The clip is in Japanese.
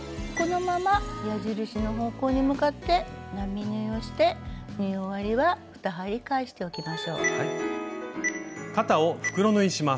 このまま矢印の方向に向かって並縫いをして縫い終わりは２針返しておきましょう。